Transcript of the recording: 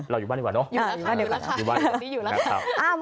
เราอยู่บ้านดีกว่าเนอะอยู่บ้านดีกว่า